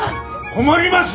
困ります！